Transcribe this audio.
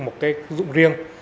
một cái dụng riêng